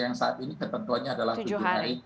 yang saat ini ketentuannya adalah tujuh hari